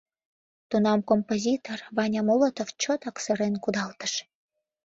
Тунам композитор Ваня Молотов чотак сырен кудалтыш: